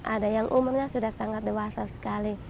ada yang umurnya sudah sangat dewasa sekali